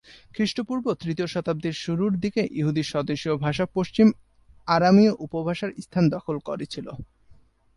খ্রিস্টপূর্ব তৃতীয় শতাব্দীর শুরুর দিকে ইহুদি স্বদেশীয় ভাষা পশ্চিম আরামীয় উপভাষার স্থান দখল করেছিল।